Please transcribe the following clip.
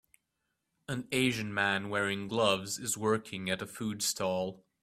An Asian man wearing gloves is working at a food stall.